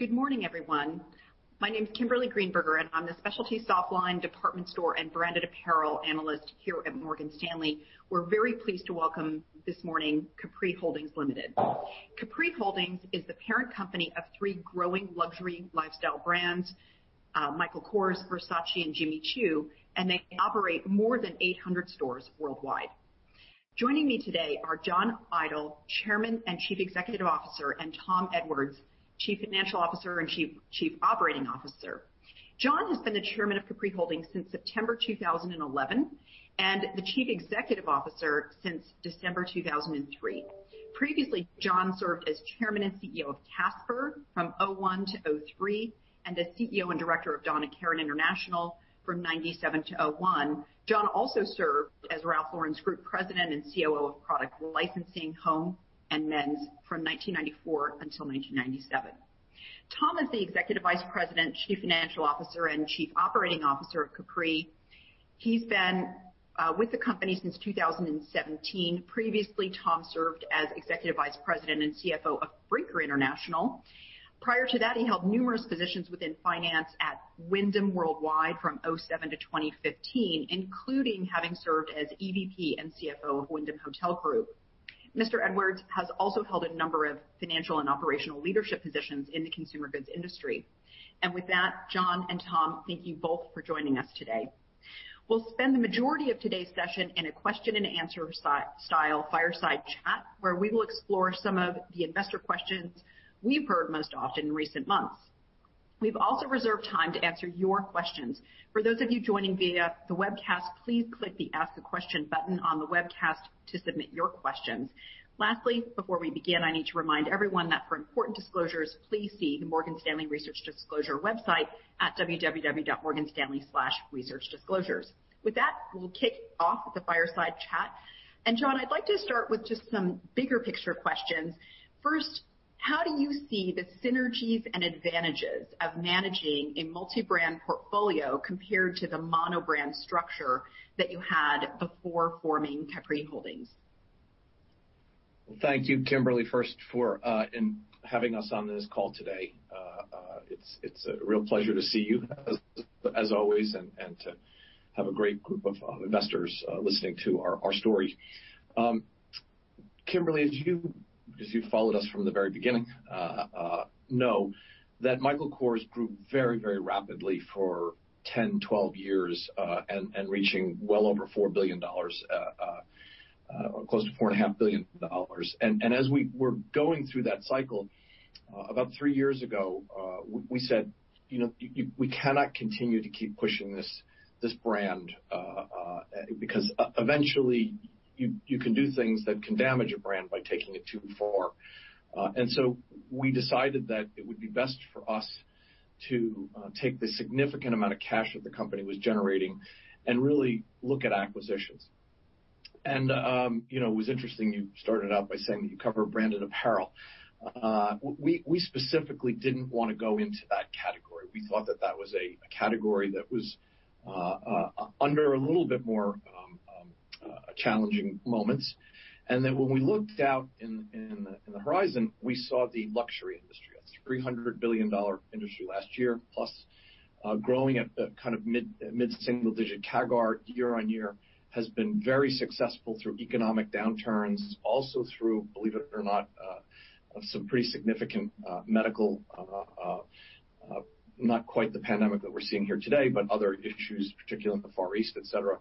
Good morning, everyone. My name is Kimberly Greenberger, and I'm the Specialty Softline, Department Store, and Branded Apparel Analyst here at Morgan Stanley. We're very pleased to welcome this morning Capri Holdings Limited. Capri Holdings is the parent company of three growing luxury lifestyle brands, Michael Kors, Versace, and Jimmy Choo, and they operate more than 800 stores worldwide. Joining me today are John Idol, Chairman and Chief Executive Officer, and Tom Edwards, Chief Financial Officer and Chief Operating Officer. John has been the Chairman of Capri Holdings since September 2011 and the Chief Executive Officer since December 2003. Previously, John served as Chairman and CEO of Kasper from 2001 to 2003 and as CEO and director of Donna Karan International from 1997 to 2001. John also served as Ralph Lauren's Group President and COO of Product Licensing, Home, and Men's from 1994 until 1997. Tom is the Executive Vice President, Chief Financial Officer, and Chief Operating Officer of Capri Holdings. He's been with the company since 2017. Previously, Tom served as Executive Vice President and CFO of Brinker International, Inc. Prior to that, he held numerous positions within finance at Wyndham Worldwide from 2007-2015, including having served as EVP and CFO of Wyndham Hotel Group. Mr. Edwards has also held a number of financial and operational leadership positions in the consumer goods industry. With that, John and Tom, thank you both for joining us today. We'll spend the majority of today's session in a question-and-answer style fireside chat, where we will explore some of the investor questions we've heard most often in recent months. We've also reserved time to answer your questions. For those of you joining via the webcast, please click the Ask a Question button on the webcast to submit your questions. Lastly, before we begin, I need to remind everyone that for important disclosures, please see the Morgan Stanley Research Disclosure website at www.morganstanley/researchdisclosures. With that, we'll kick off the fireside chat. John, I'd like to start with just some bigger picture questions. First, how do you see the synergies and advantages of managing a multi-brand portfolio compared to the mono-brand structure that you had before forming Capri Holdings? Thank you, Kimberly, first for having us on this call today. It's a real pleasure to see you as always and to have a great group of investors listening to our story. Kimberly, as you followed us from the very beginning, know that Michael Kors grew very, very rapidly for 10, 12 years, reaching well over $4 billion, close to $4.5 billion. As we were going through that cycle about three years ago, we said, "We cannot continue to keep pushing this brand because eventually you can do things that can damage a brand by taking it too far." We decided that it would be best for us to take the significant amount of cash that the company was generating and really look at acquisitions. It was interesting you started out by saying that you cover branded apparel. We specifically didn't want to go into that category. We thought that that was a category that was under a little bit more challenging moments. When we looked out in the horizon, we saw the luxury industry. That's a $300 billion industry last year, + growing at mid-single digit CAGR year on year, has been very successful through economic downturns, also through, believe it or not, some pretty significant medical, not quite the pandemic that we're seeing here today, but other issues, particularly in the Far East, et cetera.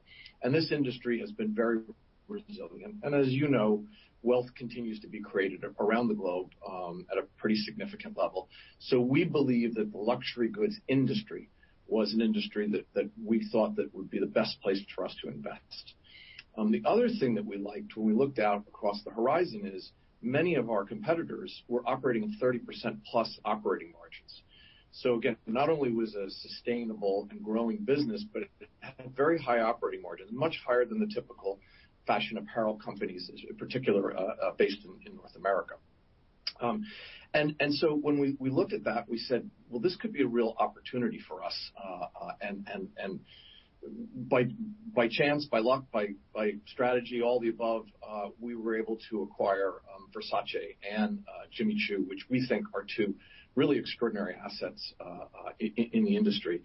This industry has been very resilient. As you know, wealth continues to be created around the globe at a pretty significant level. We believe that the luxury goods industry was an industry that we thought that would be the best place for us to invest. The other thing that we liked when we looked out across the horizon is many of our competitors were operating at 30%+ operating margins. Again, not only was it a sustainable and growing business, but it had very high operating margins, much higher than the typical fashion apparel companies, in particular, based in North America. When we looked at that, we said, "Well, this could be a real opportunity for us." By chance, by luck, by strategy, all the above, we were able to acquire Versace and Jimmy Choo, which we think are two really extraordinary assets in the industry.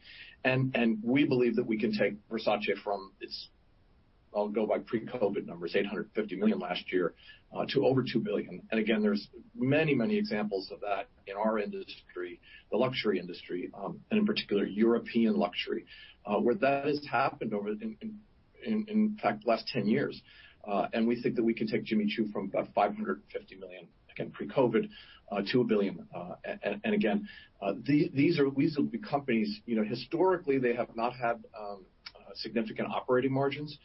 We believe that we can take Versace from its, I'll go by pre-COVID numbers, $850 million last year to over $2 billion. Again, there's many, many examples of that in our industry, the luxury industry, and in particular, European luxury, where that has happened over, in fact, the last 10 years. We think that we can take Jimmy Choo from about $550 million, again, pre-COVID, to $1 billion. Again, these will be companies, historically, they have not had significant operating margins.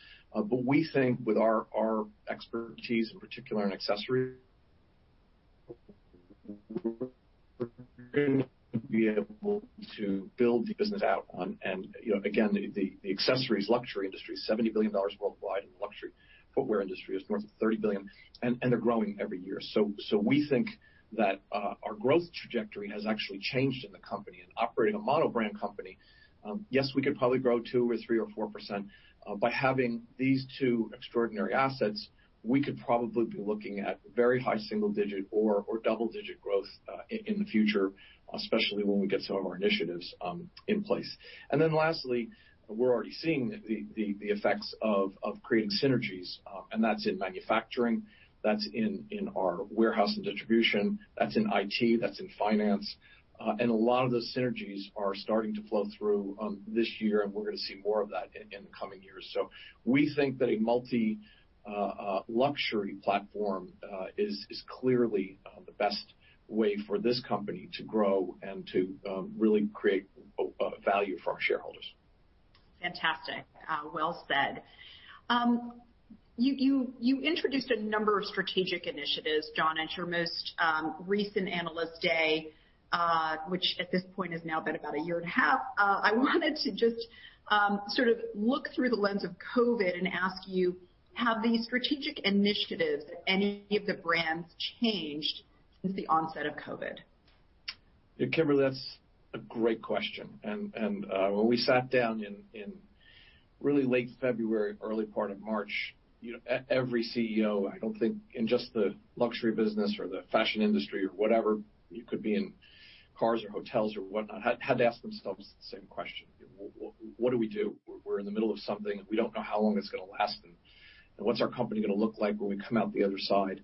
We think with our expertise, in particular in accessories, be able to build the business out on. Again, the accessories luxury industry is $70 billion worldwide, and the luxury footwear industry is north of $30 billion, and they're growing every year. We think that our growth trajectory has actually changed in the company and operating a mono brand company. Yes, we could probably grow 2% or 3% or 4%, but having these two extraordinary assets, we could probably be looking at very high single digit or double digit growth, in the future, especially when we get some of our initiatives in place. Lastly, we're already seeing the effects of creating synergies. That's in manufacturing, that's in our warehouse and distribution, that's in IT, that's in finance. A lot of those synergies are starting to flow through this year, and we're going to see more of that in the coming years. We think that a multi-luxury platform is clearly the best way for this company to grow and to really create value for our shareholders. Fantastic. Well said. You introduced a number of strategic initiatives, John, at your most recent Analyst Day, which at this point has now been about a year and a half. I wanted to just sort of look through the lens of COVID and ask you, have the strategic initiatives at any of the brands changed since the onset of COVID? Yeah, Kimberly, that's a great question. When we sat down in really late February, early part of March, every CEO, I don't think in just the luxury business or the fashion industry or whatever, you could be in cars or hotels or whatnot, had to ask themselves the same question: What do we do? We're in the middle of something, and we don't know how long it's going to last, and what's our company going to look like when we come out the other side?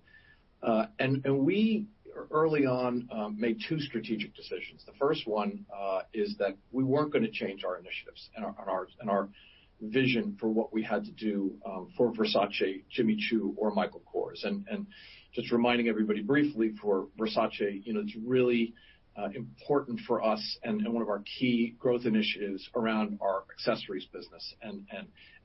We early on, made two strategic decisions. The first one is that we weren't going to change our initiatives and our vision for what we had to do for Versace, Jimmy Choo, or Michael Kors. Just reminding everybody briefly, for Versace, it's really important for us and one of our key growth initiatives around our accessories business.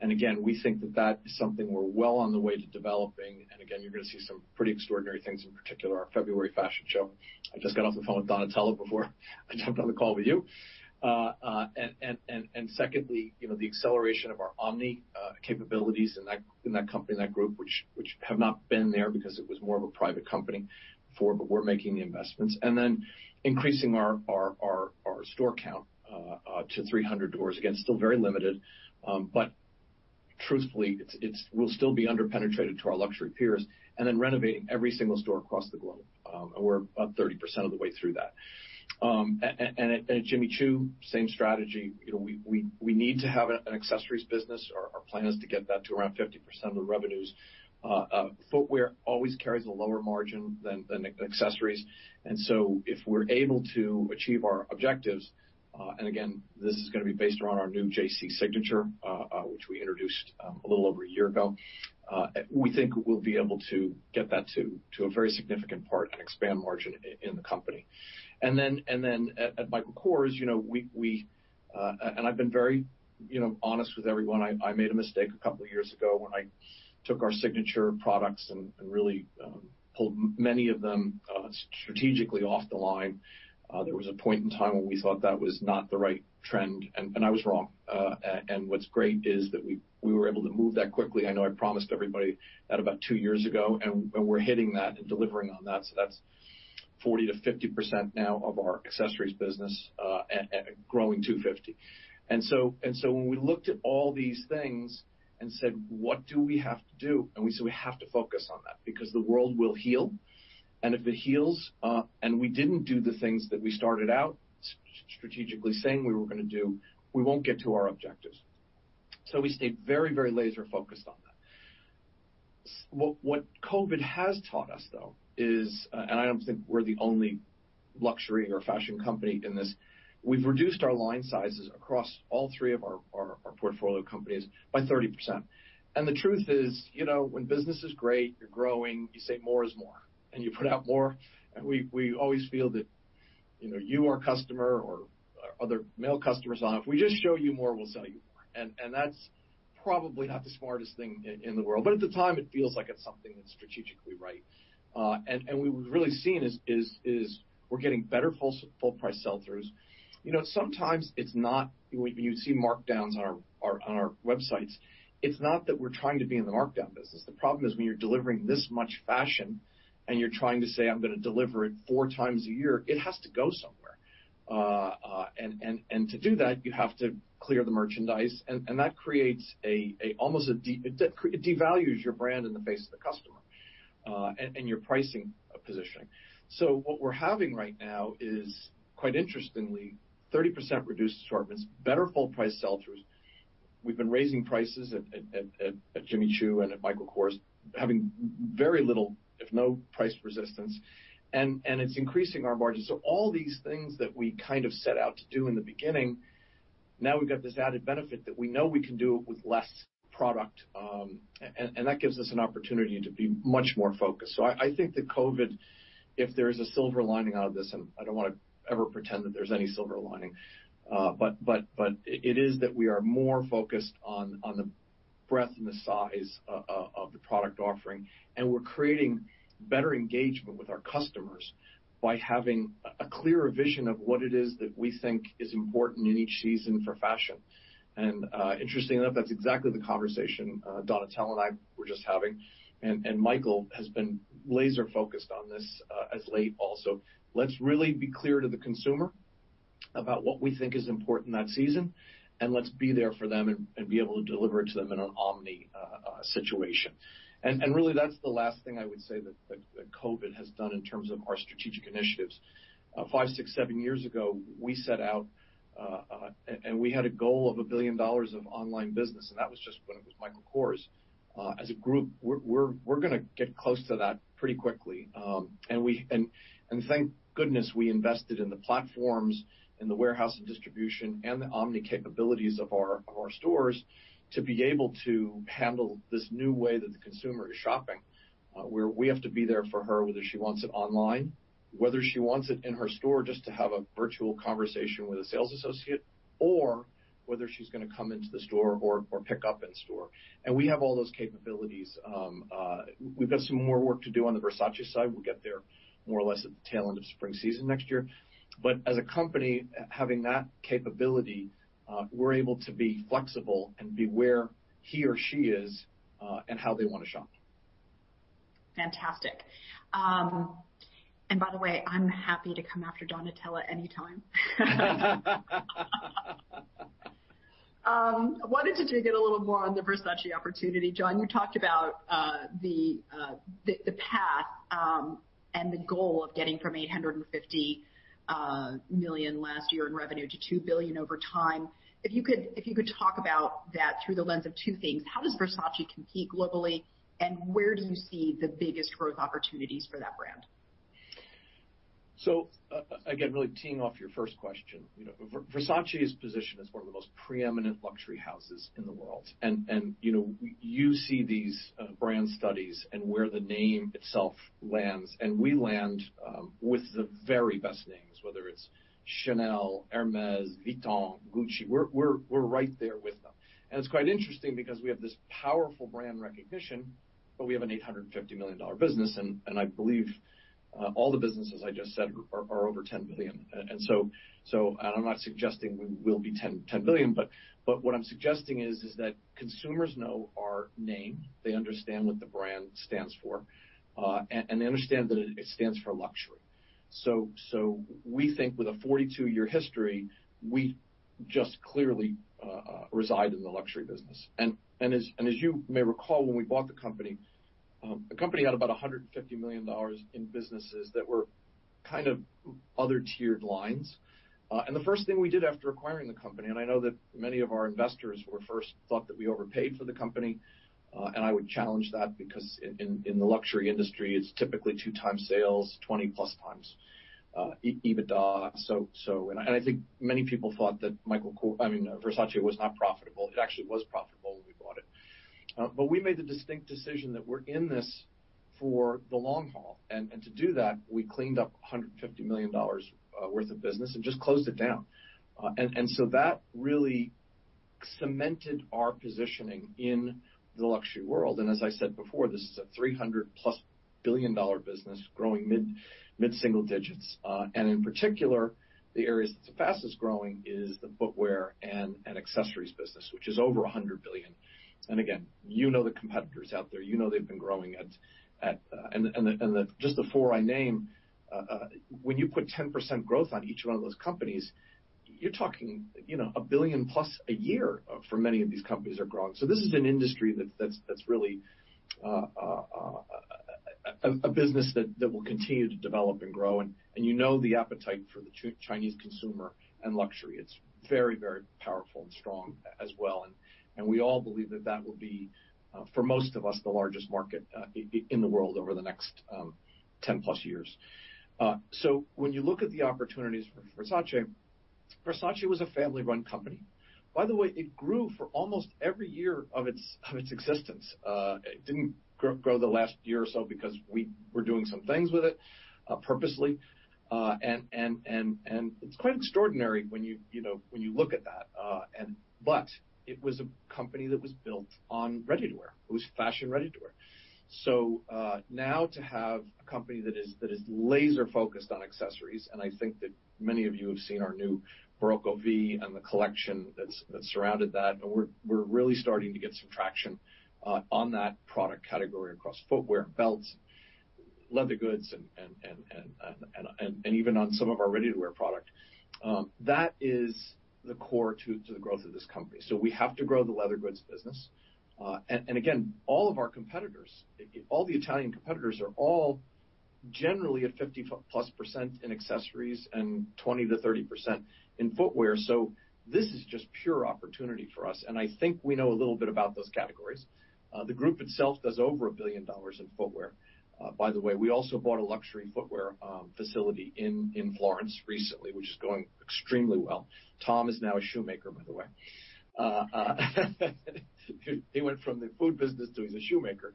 Again, we think that that is something we're well on the way to developing. Again, you're going to see some pretty extraordinary things, in particular, our February fashion show. I just got off the phone with Donatella before I jumped on the call with you. Secondly, the acceleration of our omni capabilities in that company, in that group, which have not been there because it was more of a private company before, but we're making the investments. Then increasing our store count to 300 doors. Still very limited. Truthfully, we'll still be under-penetrated to our luxury peers, and then renovating every single store across the globe. We're about 30% of the way through that. At Jimmy Choo, same strategy. We need to have an accessories business. Our plan is to get that to around 50% of the revenues. Footwear always carries a lower margin than accessories. If we're able to achieve our objectives, and again, this is going to be based around our new JC signature, which we introduced a little over a year ago, we think we'll be able to get that to a very significant part and expand margin in the company. At Michael Kors, and I've been very honest with everyone, I made a mistake a couple of years ago when I took our signature products and really pulled many of them strategically off the line. There was a point in time when we thought that was not the right trend, and I was wrong. What's great is that we were able to move that quickly. I know I promised everybody that about two years ago, and we're hitting that and delivering on that. That's 40%-50% now of our accessories business, growing to 50%. When we looked at all these things and said, "What do we have to do?" We said, "We have to focus on that because the world will heal, and if it heals, and we didn't do the things that we started out strategically saying we were going to do, we won't get to our objectives." We stayed very laser focused on that. What COVID has taught us, though, is, and I don't think we're the only luxury or fashion company in this, we've reduced our line sizes across all three of our portfolio companies by 30%. The truth is, when business is great, you're growing, you say more is more, and you put out more. We always feel that, you, our customer, or other male customers, if we just show you more, we'll sell you more. That's probably not the smartest thing in the world. At the time, it feels like it's something that's strategically right. What we've really seen is we're getting better full price sell-throughs. Sometimes you see markdowns on our websites. It's not that we're trying to be in the markdown business. The problem is when you're delivering this much fashion and you're trying to say, "I'm going to deliver it four times a year," it has to go somewhere. To do that, you have to clear the merchandise, and that devalues your brand in the face of the customer, and your pricing positioning. What we're having right now is, quite interestingly, 30% reduced assortments, better full price sell-throughs. We've been raising prices at Jimmy Choo and at Michael Kors, having very little, if no price resistance, and it's increasing our margins. All these things that we set out to do in the beginning, now we've got this added benefit that we know we can do it with less product. That gives us an opportunity to be much more focused. I think that COVID, if there's a silver lining out of this, and I don't want to ever pretend that there's any silver lining, but it is that we are more focused on the breadth and the size of the product offering. We're creating better engagement with our customers by having a clearer vision of what it is that we think is important in each season for fashion. Interesting enough, that's exactly the conversation Donatella and I were just having. Michael has been laser-focused on this as late also. Let's really be clear to the consumer about what we think is important that season, and let's be there for them and be able to deliver it to them in an omni situation. Really that's the last thing I would say that COVID has done in terms of our strategic initiatives. Five, six, seven years ago, we set out, and we had a goal of $1 billion of online business, and that was just when it was Michael Kors. As a group, we're going to get close to that pretty quickly. Thank goodness we invested in the platforms, in the warehouse and distribution, and the omni capabilities of our stores to be able to handle this new way that the consumer is shopping, where we have to be there for her, whether she wants it online, whether she wants it in her store, just to have a virtual conversation with a sales associate, or whether she's going to come into the store or pick up in-store. We have all those capabilities. We've got some more work to do on the Versace side. We'll get there more or less at the tail end of spring season next year. As a company, having that capability, we're able to be flexible and be where he or she is, and how they want to shop. Fantastic. By the way, I'm happy to come after Donatella anytime. I wanted to dig in a little more on the Versace opportunity, John. You talked about the path, and the goal of getting from $850 million last year in revenue to $2 billion over time. If you could talk about that through the lens of two things, how does Versace compete globally, and where do you see the biggest growth opportunities for that brand? Again, really teeing off your first question. Versace's position as one of the most preeminent luxury houses in the world. You see these brand studies and where the name itself lands. We land with the very best names, whether it's Chanel, Hermès, Vuitton, Gucci. We're right there with them. It's quite interesting because we have this powerful brand recognition, but we have an $850 million business, and I believe all the businesses I just said are over $10 billion. I'm not suggesting we will be $10 billion, but what I'm suggesting is that consumers know our name, they understand what the brand stands for, and they understand that it stands for luxury. We think with a 42-year history, we just clearly reside in the luxury business. As you may recall, when we bought the company, the company had about $150 million in businesses that were other tiered lines. The first thing we did after acquiring the company, I know that many of our investors first thought that we overpaid for the company. I would challenge that because in the luxury industry, it's typically 2x sales, 20± x EBITDA. I think many people thought that Versace was not profitable. It actually was profitable when we bought it. We made the distinct decision that we're in this for the long haul. To do that, we cleaned up $150 million worth of business and just closed it down. That really cemented our positioning in the luxury world. As I said before, this is a $300+ billion business growing mid-single digits. In particular, the areas that's the fastest-growing is the footwear and accessories business, which is over $100 billion. Again, you know the competitors out there. Just the four I named, when you put 10% growth on each one of those companies, you're talking $1 billion+ a year for many of these companies are growing. This is an industry that's really a business that will continue to develop and grow, and you know the appetite for the Chinese consumer and luxury. It's very, very powerful and strong as well. We all believe that that will be, for most of us, the largest market in the world over the next 10+ years. When you look at the opportunities for Versace was a family-run company. By the way, it grew for almost every year of its existence. It didn't grow the last year or so because we were doing some things with it purposely. It's quite extraordinary when you look at that. It was a company that was built on ready-to-wear. It was fashion ready-to-wear. Now to have a company that is laser-focused on accessories, and I think that many of you have seen our new Barocco V and the collection that surrounded that. We're really starting to get some traction on that product category across footwear, belts, leather goods, and even on some of our ready-to-wear product. That is the core to the growth of this company. We have to grow the leather goods business. Again, all of our competitors, all the Italian competitors, are all generally at 50+ % in accessories and 20%-30% in footwear. This is just pure opportunity for us, and I think we know a little bit about those categories. The group itself does over $1 billion in footwear. By the way, we also bought a luxury footwear facility in Florence recently, which is going extremely well. Tom is now a shoemaker, by the way. He went from the food business to he's a shoemaker.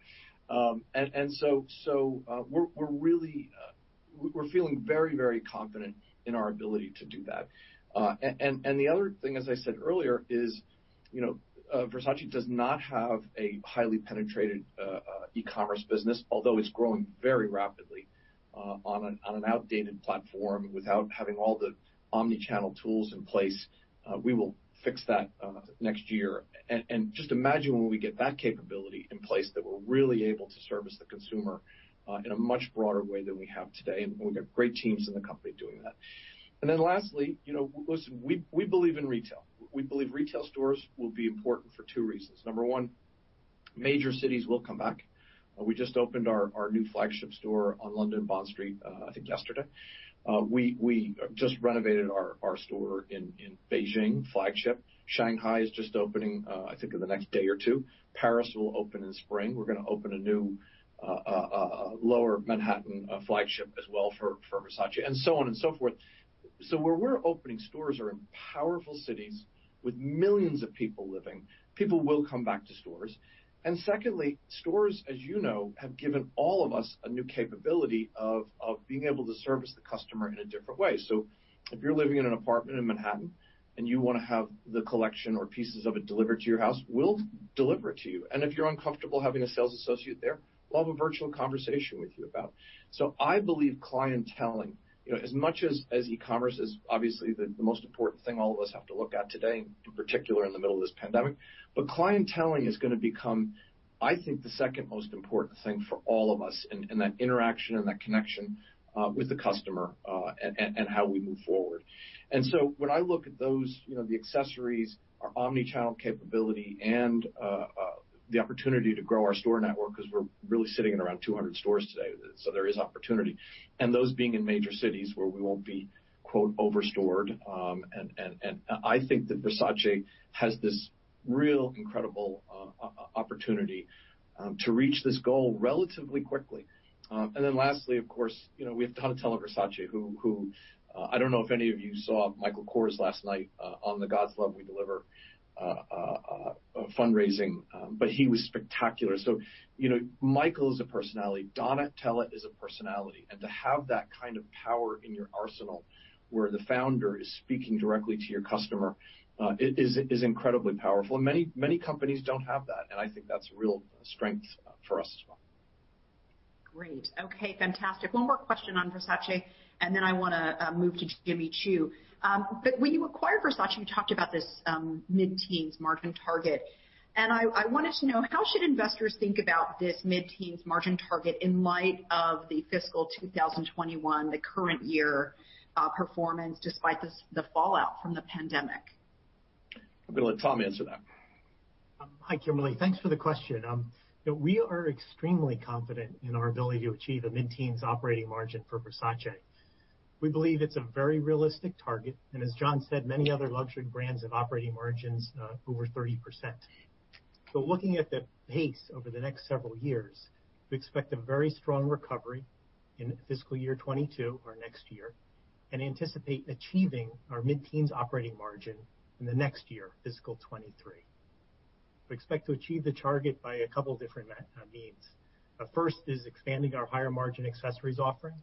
We're really feeling very confident in our ability to do that. The other thing, as I said earlier, is Versace does not have a highly penetrated e-commerce business, although it's growing very rapidly on an outdated platform without having all the omni-channel tools in place. We will fix that next year. Just imagine when we get that capability in place, that we're really able to service the consumer in a much broader way than we have today. We've got great teams in the company doing that. Lastly, listen, we believe in retail. We believe retail stores will be important for two reasons. Number one, major cities will come back. We just opened our new flagship store on London Bond Street, I think yesterday. We just renovated our store in Beijing, flagship. Shanghai is just opening, I think in the next day or two. Paris will open in spring. We're going to open a new Lower Manhattan flagship as well for Versace, and so on and so forth. Where we're opening stores are in powerful cities with millions of people living. People will come back to stores. Secondly, stores, as you know, have given all of us a new capability of being able to service the customer in a different way. If you're living in an apartment in Manhattan and you want to have the collection or pieces of it delivered to your house, we'll deliver it to you. If you're uncomfortable having a sales associate there, we'll have a virtual conversation with you about it. I believe clienteling, as much as e-commerce is obviously the most important thing all of us have to look at today, in particular in the middle of this pandemic. Clienteling is going to become, I think, the second most important thing for all of us in that interaction and that connection with the customer, and how we move forward. When I look at those, the accessories, our omni-channel capability, and the opportunity to grow our store network, because we're really sitting at around 200 stores today, so there is opportunity. Those being in major cities where we won't be, quote, "over-stored." I think that Versace has this real incredible opportunity to reach this goal relatively quickly. Lastly, of course, we have Donatella Versace, who I don't know if any of you saw Michael Kors last night on the God's Love We Deliver fundraising, but he was spectacular. Michael is a personality. Donatella is a personality. To have that kind of power in your arsenal, where the founder is speaking directly to your customer, is incredibly powerful. Many companies don't have that, and I think that's a real strength for us as well. Great. Okay, fantastic. One more question on Versace, and then I want to move to Jimmy Choo. When you acquired Versace, you talked about this mid-teens margin target, and I wanted to know, how should investors think about this mid-teens margin target in light of the fiscal 2021, the current year, performance, despite the fallout from the pandemic? I'm going to let Tom answer that. Hi, Kimberly. Thanks for the question. We are extremely confident in our ability to achieve a mid-teens operating margin for Versace. We believe it's a very realistic target. As John said, many other luxury brands have operating margins over 30%. Looking at the pace over the next several years, we expect a very strong recovery in fiscal year 2022 or next year. We anticipate achieving our mid-teens operating margin in the next year, fiscal 2023. We expect to achieve the target by a couple different means. First is expanding our higher margin accessories offering.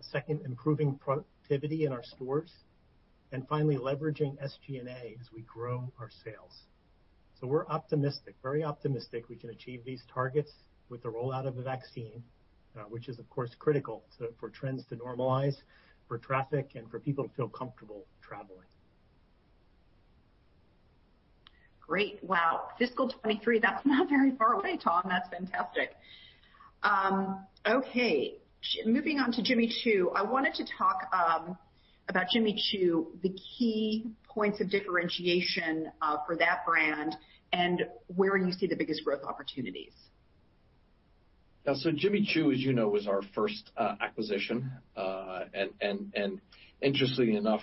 Second, improving productivity in our stores. Finally, leveraging SG&A as we grow our sales. We're optimistic, very optimistic we can achieve these targets with the rollout of the vaccine, which is, of course, critical for trends to normalize, for traffic, and for people to feel comfortable traveling. Great. Wow. Fiscal 2023, that's not very far away, Tom. That's fantastic. Okay, moving on to Jimmy Choo. I wanted to talk about Jimmy Choo, the key points of differentiation for that brand, and where you see the biggest growth opportunities. Yeah, Jimmy Choo, as you know, was our first acquisition. Interestingly enough,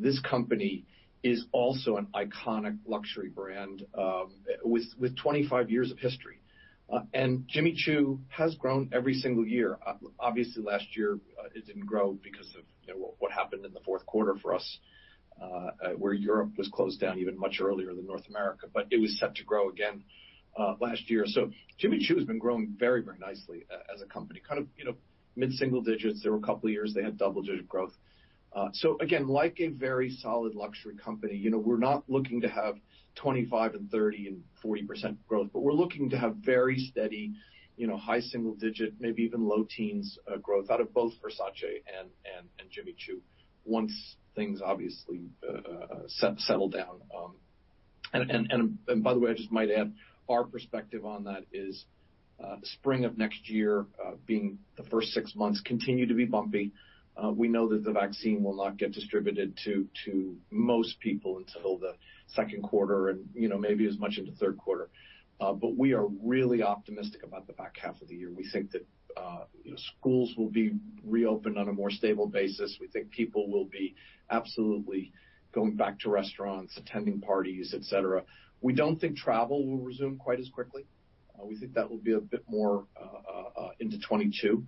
this company is also an iconic luxury brand with 25 years of history. Jimmy Choo has grown every single year. Obviously, last year, it didn't grow because of what happened in the fourth quarter for us, where Europe was closed down even much earlier than North America. It was set to grow again last year. Jimmy Choo has been growing very nicely as a company, mid-single digits. There were a couple of years they had double-digit growth. Again, like a very solid luxury company, we're not looking to have 25% and 30% and 40% growth, we're looking to have very steady high single digit, maybe even low teens growth out of both Versace and Jimmy Choo once things obviously settle down. By the way, I just might add our perspective on that is spring of next year being the first six months continue to be bumpy. We know that the vaccine will not get distributed to most people until the 2nd quarter and maybe as much into 3rd quarter. We are really optimistic about the back half of the year. We think that schools will be reopened on a more stable basis. We think people will be absolutely going back to restaurants, attending parties, et cetera. We don't think travel will resume quite as quickly. We think that will be a bit more into 2022.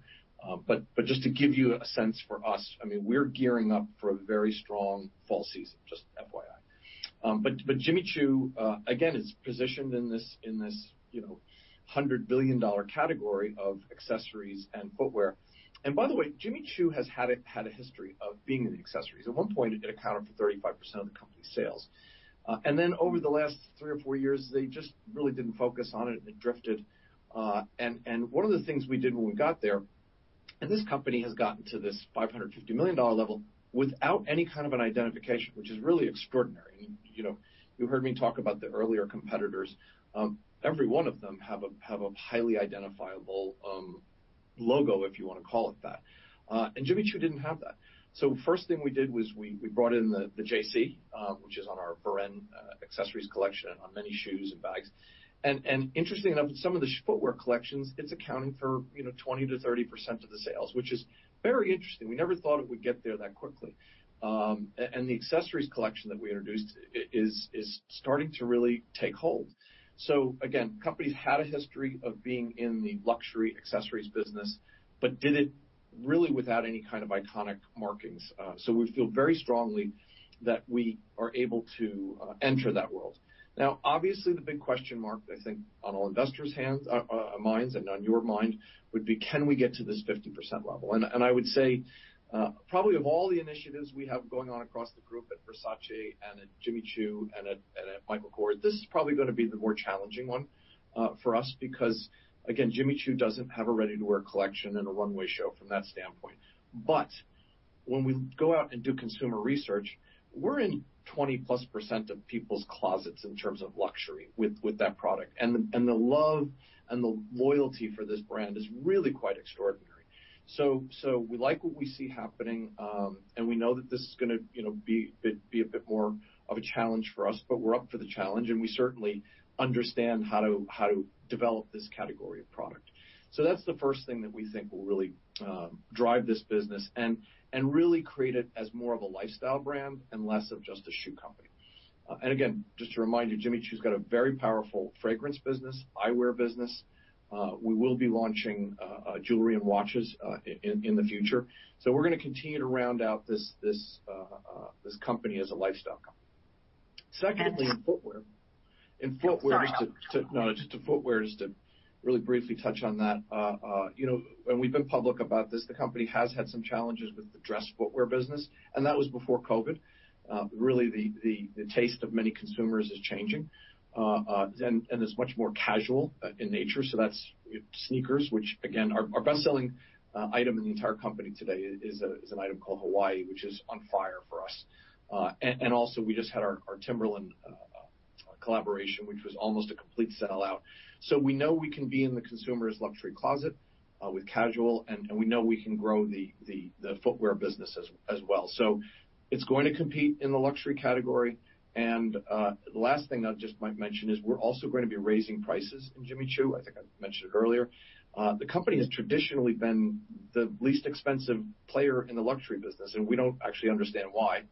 Just to give you a sense for us, we're gearing up for a very strong fall season, just FYI. Jimmy Choo, again, is positioned in this $100 billion category of accessories and footwear. By the way, Jimmy Choo has had a history of being in accessories. At one point, it accounted for 35% of the company's sales. Then over the last three or four years, they just really didn't focus on it, and it drifted. One of the things we did when we got there, this company has gotten to this $550 million level without any kind of an identification, which is really extraordinary. You heard me talk about the earlier competitors. Every one of them have a highly identifiable logo, if you want to call it that. Jimmy Choo didn't have that. The first thing we did was we brought in the JC, which is on our Varenne accessories collection, and on many shoes and bags. Interestingly enough, in some of the footwear collections, it's accounting for 20% to 30% of the sales, which is very interesting. We never thought it would get there that quickly. The accessories collection that we introduced is starting to really take hold. Again, company's had a history of being in the luxury accessories business, but did it really without any kind of iconic markings. We feel very strongly that we are able to enter that world. Now, obviously, the big question mark, I think on all investors' minds and on your mind, would be, can we get to this 50% level? I would say, probably of all the initiatives we have going on across the group at Versace and at Jimmy Choo and at Michael Kors, this is probably going to be the more challenging one for us, because, again, Jimmy Choo doesn't have a ready-to-wear collection and a runway show from that standpoint. When we go out and do consumer research, we're in 20+% of people's closets in terms of luxury with that product. The love and the loyalty for this brand is really quite extraordinary. We like what we see happening, and we know that this is going to be a bit more of a challenge for us, but we're up for the challenge, and we certainly understand how to develop this category of product. That's the first thing that we think will really drive this business and really create it as more of a lifestyle brand and less of just a shoe company. Again, just to remind you, Jimmy Choo's got a very powerful fragrance business, eyewear business. We will be launching jewelry and watches in the future. We're going to continue to round out this company as a lifestyle company. Secondly, in footwear- That's- To footwear, just to really briefly touch on that. We've been public about this. The company has had some challenges with the dress footwear business, and that was before COVID. Really, the taste of many consumers is changing, and is much more casual in nature. That's sneakers, which again, our best-selling item in the entire company today is an item called Hawaii, which is on fire for us. Also, we just had our Timberland collaboration, which was almost a complete sellout. We know we can be in the consumer's luxury closet with casual, and we know we can grow the footwear business as well. It's going to compete in the luxury category, and the last thing I just might mention is we're also going to be raising prices in Jimmy Choo. I think I mentioned it earlier. The company has traditionally been the least expensive player in the luxury business, and we don't actually understand why.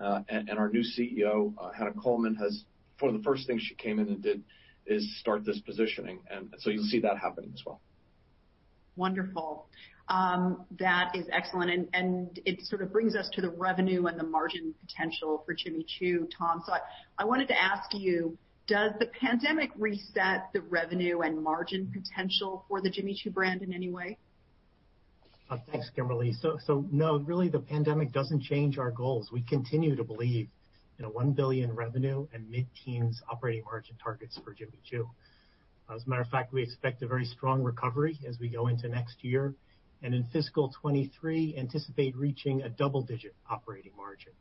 Our new CEO, Hannah Colman, one of the first things she came in and did is start this positioning, and so you'll see that happening as well. Wonderful. That is excellent, it sort of brings us to the revenue and the margin potential for Jimmy Choo, Tom. I wanted to ask you, does the pandemic reset the revenue and margin potential for the Jimmy Choo brand in any way? Thanks, Kimberly. No, really, the pandemic doesn't change our goals. We continue to believe in a $1 billion revenue and mid-teens operating margin targets for Jimmy Choo. As a matter of fact, we expect a very strong recovery as we go into next year, and in fiscal 2023, anticipate reaching a double-digit operating margin,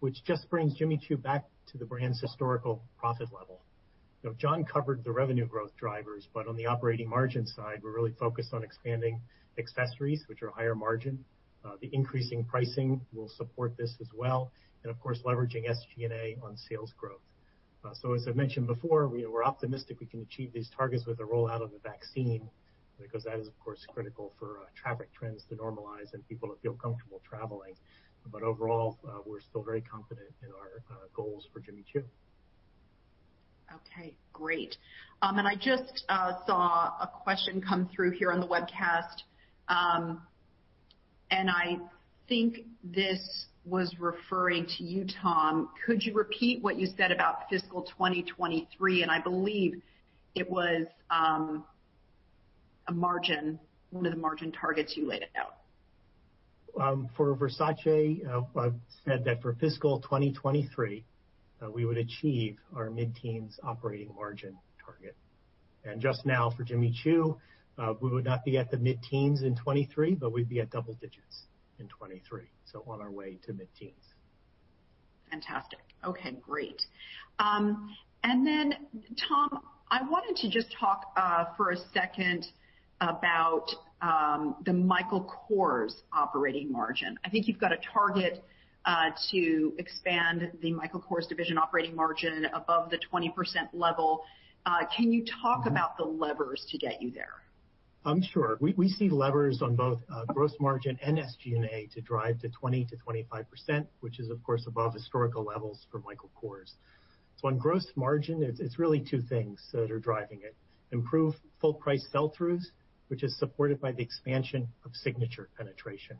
which just brings Jimmy Choo back to the brand's historical profit level. John covered the revenue growth drivers, on the operating margin side, we're really focused on expanding accessories, which are higher margin. The increasing pricing will support this as well. Of course, leveraging SG&A on sales growth. As I mentioned before, we're optimistic we can achieve these targets with the rollout of the vaccine because that is, of course, critical for traffic trends to normalize and people to feel comfortable traveling. Overall, we're still very confident in our goals for Jimmy Choo. Okay, great. I just saw a question come through here on the webcast, and I think this was referring to you, Tom. Could you repeat what you said about fiscal 2023? I believe it was a margin, one of the margin targets you laid out. For Versace, I've said that for fiscal 2023, we would achieve our mid-teens operating margin target. Just now for Jimmy Choo, we would not be at the mid-teens in 2023, but we'd be at double digits in 2023, so on our way to mid-teens. Fantastic. Okay, great. Tom, I wanted to just talk for a second about the Michael Kors operating margin. I think you've got a target to expand the Michael Kors division operating margin above the 20% level. Can you talk about the levers to get you there? Sure. We see levers on both gross margin and SG&A to drive to 20%-25%, which is of course above historical levels for Michael Kors. On gross margin, it's really two things that are driving it. Improved full price sell-throughs, which is supported by the expansion of signature penetration.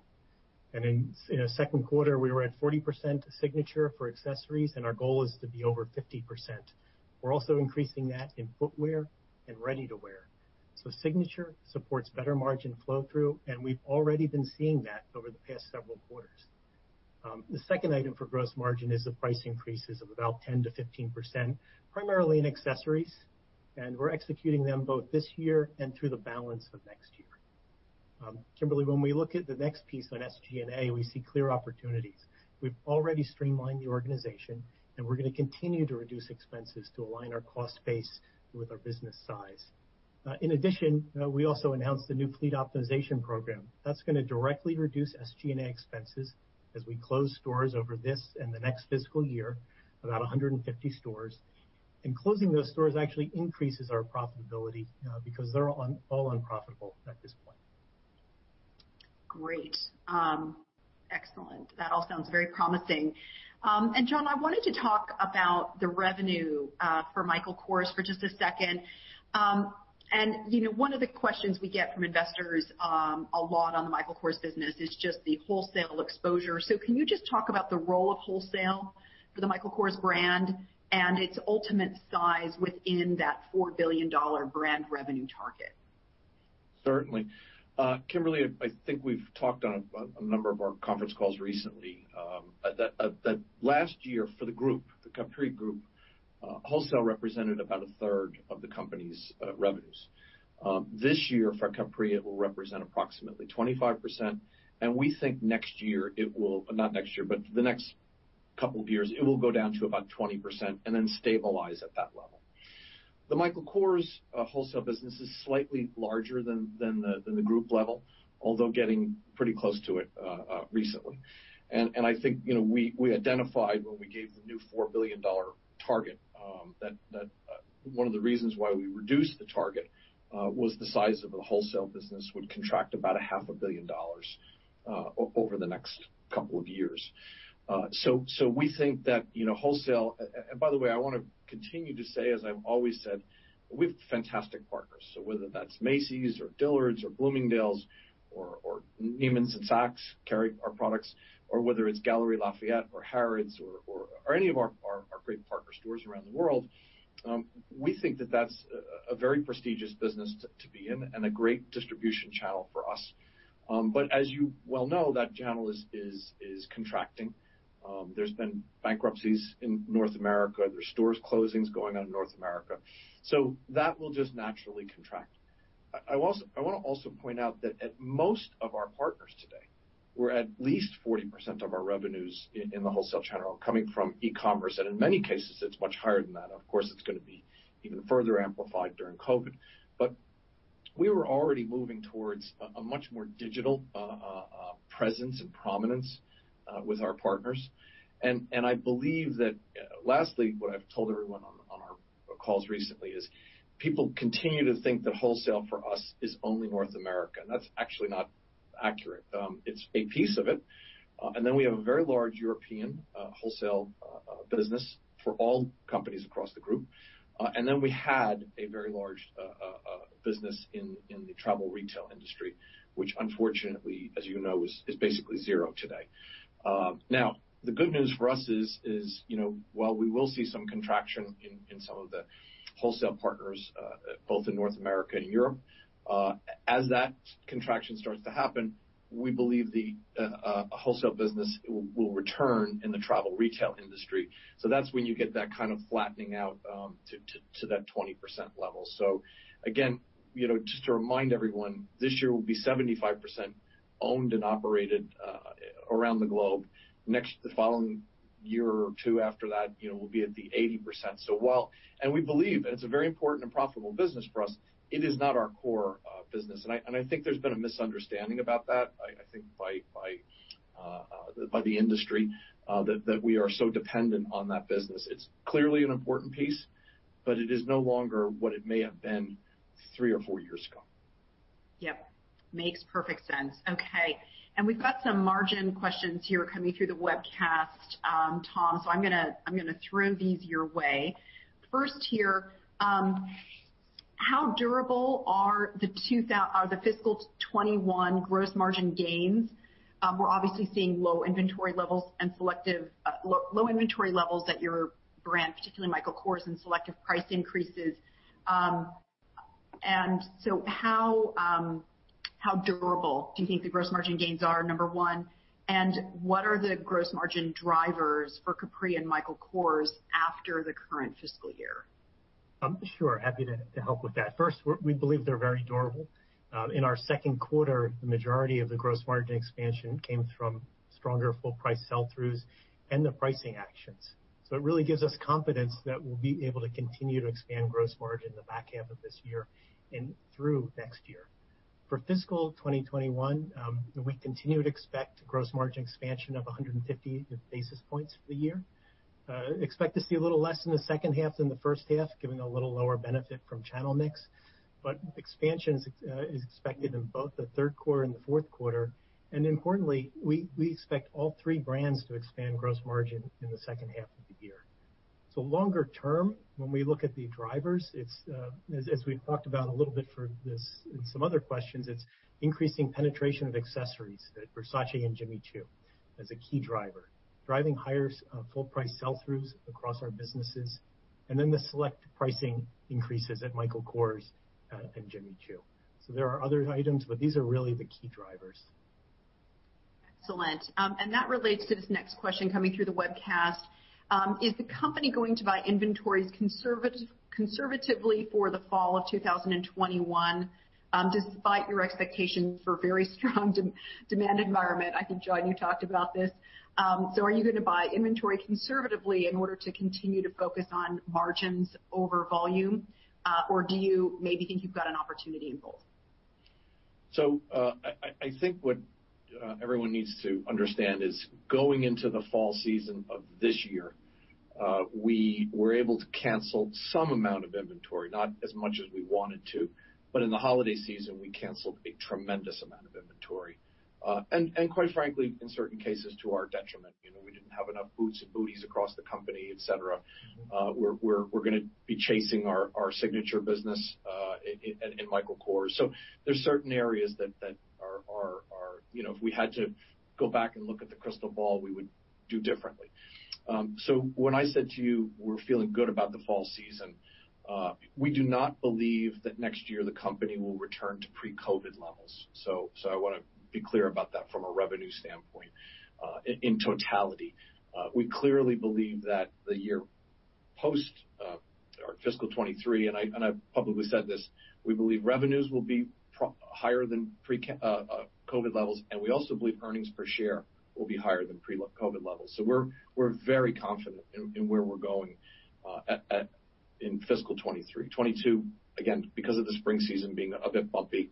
In the second quarter, we were at 40% signature for accessories, and our goal is to be over 50%. We're also increasing that in footwear and ready-to-wear. Signature supports better margin flow-through, and we've already been seeing that over the past several quarters. The second item for gross margin is the price increases of about 10%-15%, primarily in accessories, and we're executing them both this year and through the balance of next year. Kimberly, when we look at the next piece on SG&A, we see clear opportunities. We've already streamlined the organization, and we're going to continue to reduce expenses to align our cost base with our business size. In addition, we also announced the new fleet optimization program. That's going to directly reduce SG&A expenses as we close stores over this and the next fiscal year, about 150 stores. Closing those stores actually increases our profitability because they're all unprofitable at this point. Great. Excellent. That all sounds very promising. John, I wanted to talk about the revenue for Michael Kors for just a second. One of the questions we get from investors a lot on the Michael Kors business is just the wholesale exposure. Can you just talk about the role of wholesale for the Michael Kors brand and its ultimate size within that $4 billion brand revenue target? Certainly. Kimberly, I think we've talked on a number of our conference calls recently, that last year for the group, the Capri group, wholesale represented about a third of the company's revenues. This year for Capri, it will represent approximately 25%, and we think not next year, but the next couple of years, it will go down to about 20% and then stabilize at that level. The Michael Kors wholesale business is slightly larger than the group level, although getting pretty close to it recently. I think we identified when we gave the new $4 billion target, that one of the reasons why we reduced the target was the size of the wholesale business would contract about a half a billion dollars over the next couple of years. We think that wholesale, and by the way, I want to continue to say, as I've always said, we have fantastic partners. Whether that's Macy's or Dillard's or Bloomingdale's or Neiman's and Saks carry our products, or whether it's Galeries Lafayette or Harrods or any of our great partner stores around the world, we think that that's a very prestigious business to be in and a great distribution channel for us. As you well know, that channel is contracting. There's been bankruptcies in North America. There's stores closings going on in North America. That will just naturally contract. I want to also point out that at most of our partners today, we're at least 40% of our revenues in the wholesale channel coming from e-commerce, and in many cases, it's much higher than that. Of course, it's going to be even further amplified during COVID. We were already moving towards a much more digital presence and prominence with our partners. I believe that lastly, what I've told everyone on our calls recently is people continue to think that wholesale for us is only North America, and that's actually not accurate. It's a piece of it. Then we have a very large European wholesale business for all companies across the group. Then we had a very large business in the travel retail industry, which unfortunately, as you know, is basically zero today. Now, the good news for us is while we will see some contraction in some of the wholesale partners, both in North America and Europe, as that contraction starts to happen, we believe the wholesale business will return in the travel retail industry. That's when you get that kind of flattening out to that 20% level. Again, just to remind everyone, this year will be 75% owned and operated around the globe. The following year or two after that, we'll be at the 80%. We believe, and it's a very important and profitable business for us, it is not our core business. I think there's been a misunderstanding about that, I think by the industry, that we are so dependent on that business. It's clearly an important piece, but it is no longer what it may have been three or four years ago. Yep. Makes perfect sense. Okay. We've got some margin questions here coming through the webcast, Tom, I'm going to throw these your way. First here, how durable are the fiscal 2021 gross margin gains? We're obviously seeing low inventory levels at your brand, particularly Michael Kors, and selective price increases. How durable do you think the gross margin gains are, number one, and what are the gross margin drivers for Capri and Michael Kors after the current fiscal year? Sure. Happy to help with that. First, we believe they're very durable. In our second quarter, the majority of the gross margin expansion came from stronger full price sell-throughs and the pricing actions. It really gives us confidence that we'll be able to continue to expand gross margin in the back half of this year and through next year. For fiscal 2021, we continue to expect gross margin expansion of 150 basis points for the year. Expect to see a little less in the second half than the first half, giving a little lower benefit from channel mix, but expansion is expected in both the third quarter and the fourth quarter. Importantly, we expect all three brands to expand gross margin in the second half of the year. Longer term, when we look at the drivers, as we've talked about a little bit in some other questions, it's increasing penetration of accessories at Versace and Jimmy Choo as a key driver. Driving higher full price sell-throughs across our businesses, and then the select pricing increases at Michael Kors and Jimmy Choo. There are other items, but these are really the key drivers. Excellent. That relates to this next question coming through the webcast. Is the company going to buy inventories conservatively for the fall of 2021, despite your expectations for very strong demand environment? I think, John, you talked about this. Are you going to buy inventory conservatively in order to continue to focus on margins over volume? Or do you maybe think you've got an opportunity in both? I think what everyone needs to understand is going into the fall season of this year, we were able to cancel some amount of inventory, not as much as we wanted to, but in the holiday season, we cancelled a tremendous amount of inventory. Quite frankly, in certain cases, to our detriment. We didn't have enough boots and booties across the company, et cetera. We're going to be chasing our Signature business in Michael Kors. There's certain areas that if we had to go back and look at the crystal ball, we would do differently. When I said to you we're feeling good about the fall season, we do not believe that next year the company will return to pre-COVID levels. I want to be clear about that from a revenue standpoint in totality. We clearly believe that the year post our fiscal 2023, and I've publicly said this, we believe revenues will be higher than pre-COVID levels, and we also believe earnings per share will be higher than pre-COVID levels. We're very confident in where we're going in fiscal 2023. 2022, again, because of the spring season being a bit bumpy,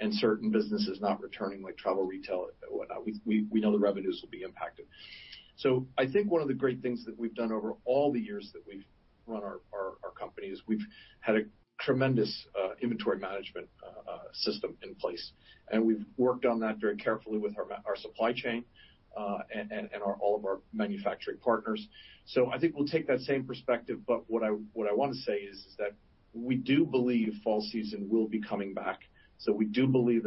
and certain businesses not returning, like travel retail and whatnot, we know the revenues will be impacted. I think one of the great things that we've done over all the years that we've run our company is we've had a tremendous inventory management system in place, and we've worked on that very carefully with our supply chain, and all of our manufacturing partners. I think we'll take that same perspective, but what I want to say is that we do believe fall season will be coming back. We do believe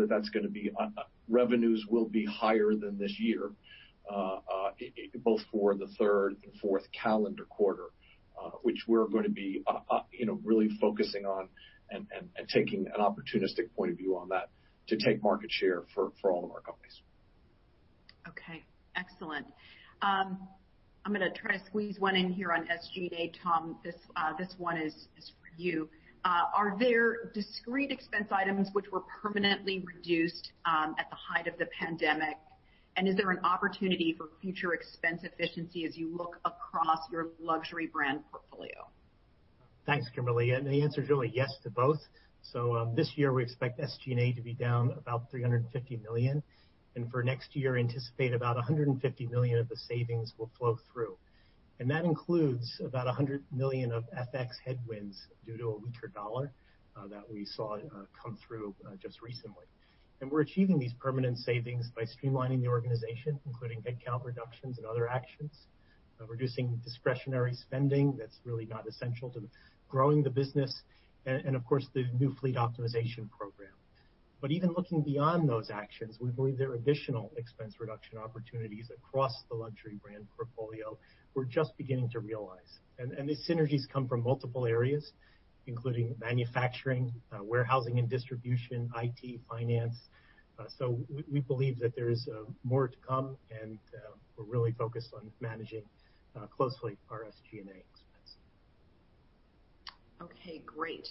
revenues will be higher than this year, both for the third and fourth calendar quarter, which we're going to be really focusing on and taking an opportunistic point of view on that to take market share for all of our companies. Okay. Excellent. I'm going to try to squeeze one in here on SG&A, Tom, this one is for you. Are there discrete expense items which were permanently reduced at the height of the pandemic, and is there an opportunity for future expense efficiency as you look across your luxury brand portfolio? Thanks, Kimberly, and the answer is really yes to both. This year we expect SG&A to be down about $350 million, and for next year, anticipate about $150 million of the savings will flow through. That includes about $100 million of FX headwinds due to a weaker dollar that we saw come through just recently. We're achieving these permanent savings by streamlining the organization, including headcount reductions and other actions, reducing discretionary spending that's really not essential to growing the business, and of course, the new fleet optimization program. Even looking beyond those actions, we believe there are additional expense reduction opportunities across the luxury brand portfolio we're just beginning to realize. These synergies come from multiple areas, including manufacturing, warehousing and distribution, IT, finance. We believe that there is more to come, and we're really focused on managing closely our SG&A expense. Okay, great.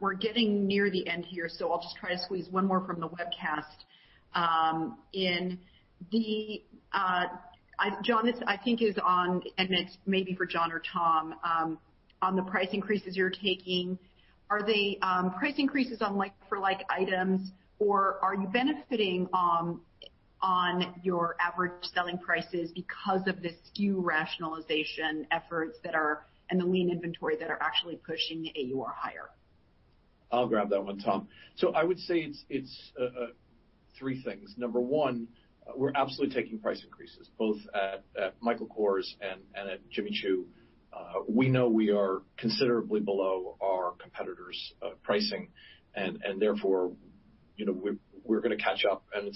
We're getting near the end here. I'll just try to squeeze one more from the webcast in. John, this I think is on. It's maybe for John or Tom. On the price increases you're taking, are they price increases on like-for-like items, or are you benefiting on your average selling prices because of the SKU rationalization efforts and the lean inventory that are actually pushing AUR higher? I'll grab that one, Tom. I would say it's three things. Number one, we're absolutely taking price increases both at Michael Kors and at Jimmy Choo. We know we are considerably below our competitors' pricing, and therefore, we're going to catch up, and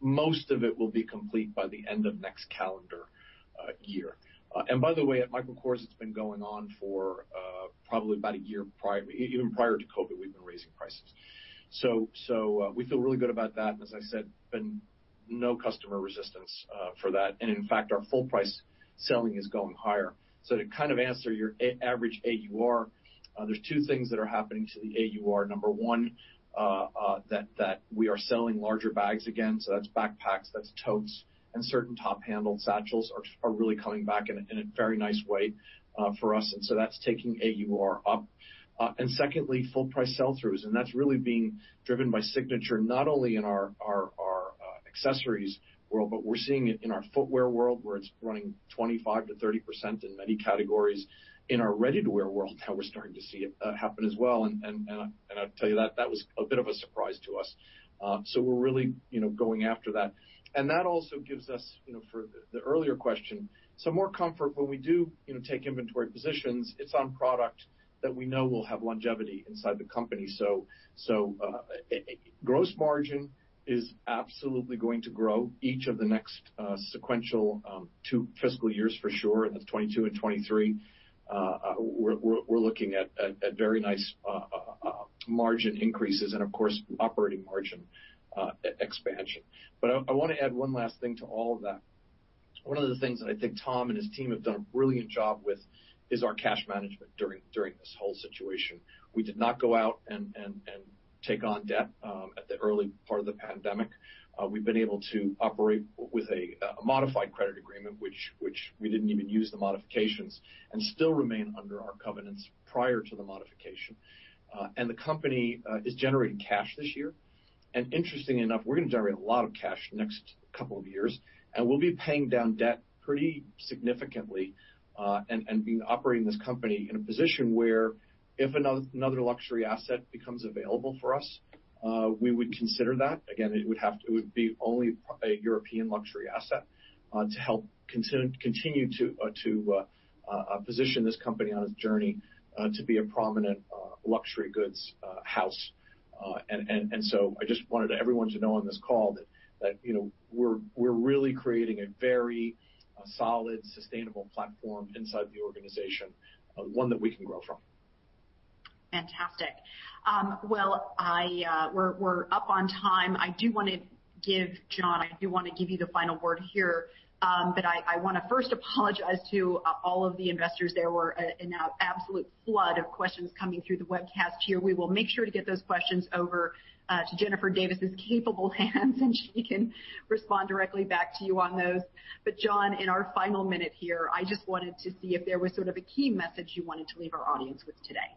most of it will be complete by the end of next calendar year. By the way, at Michael Kors, it's been going on for probably about a year, even prior to COVID, we've been raising prices. We feel really good about that. As I said, been no customer resistance for that. In fact, our full price selling is going higher. To answer your average AUR, there's two things that are happening to the AUR. Number one, that we are selling larger bags again, so that's backpacks, that's totes, and certain top-handled satchels are really coming back in a very nice way for us, that's taking AUR up. Secondly, full price sell-throughs, and that's really being driven by Signature, not only in our accessories world, but we're seeing it in our footwear world, where it's running 25%-30% in many categories. In our ready-to-wear world now we're starting to see it happen as well, I'll tell you that that was a bit of a surprise to us. We're really going after that. That also gives us, for the earlier question, some more comfort when we do take inventory positions, it's on product that we know will have longevity inside the company. Gross margin is absolutely going to grow each of the next sequential two fiscal years for sure, that's 2022 and 2023. We're looking at very nice margin increases and of course, operating margin expansion. I want to add one last thing to all of that. One of the things that I think Tom and his team have done a brilliant job with is our cash management during this whole situation. We did not go out and take on debt at the early part of the pandemic. We've been able to operate with a modified credit agreement, which we didn't even use the modifications, and still remain under our covenants prior to the modification. The company is generating cash this year. Interestingly enough, we're going to generate a lot of cash next couple of years, and we'll be paying down debt pretty significantly, and operating this company in a position where if another luxury asset becomes available for us, we would consider that. Again, it would be only a European luxury asset to help continue to position this company on its journey to be a prominent luxury goods house. I just wanted everyone to know on this call that we're really creating a very solid, sustainable platform inside the organization, one that we can grow from. Fantastic. Well, we're up on time. I do want to give you the final word here. I want to first apologize to all of the investors. There were an absolute flood of questions coming through the webcast here. We will make sure to get those questions over to Jennifer Davis' capable hands, and she can respond directly back to you on those. John, in our final minute here, I just wanted to see if there was sort of a key message you wanted to leave our audience with today.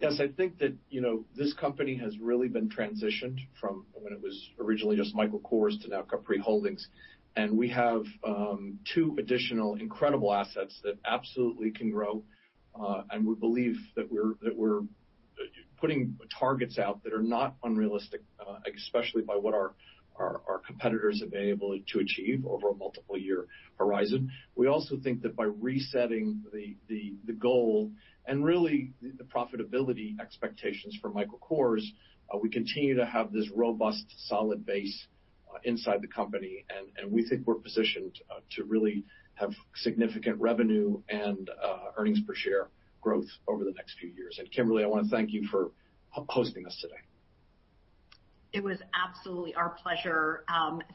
Yes, I think that this company has really been transitioned from when it was originally just Michael Kors to now Capri Holdings. We have two additional incredible assets that absolutely can grow. We believe that we're putting targets out that are not unrealistic, especially by what our competitors have been able to achieve over a multiple year horizon. We also think that by resetting the goal and really the profitability expectations for Michael Kors, we continue to have this robust, solid base inside the company. We think we're positioned to really have significant revenue and earnings per share growth over the next few years. Kimberly, I want to thank you for hosting us today. It was absolutely our pleasure.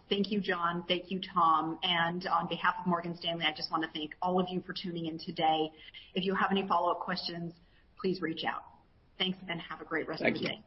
Thank you, John. Thank you, Tom. On behalf of Morgan Stanley, I just want to thank all of you for tuning in today. If you have any follow-up questions, please reach out. Thanks, and have a great rest of your day.